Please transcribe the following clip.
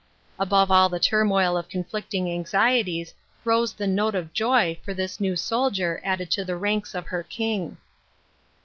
Above all the turmoil of conflicting anxieties rose the note of joy for this new soldier added to the ranks of her King.